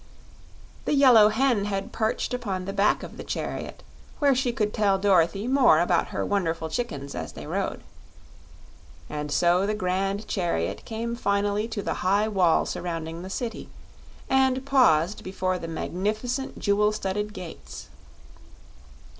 The Yellow Hen had perched upon the back of the chariot, where she could tell Dorothy more about her wonderful chickens as they rode. And so the grand chariot came finally to the high wall surrounding the City, and paused before the magnificent jewel studded gates.